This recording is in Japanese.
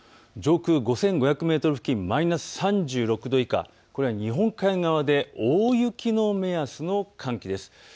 上空５５００メートル付近、マイナス３６度以下、日本海側で大雪の目安の寒気です。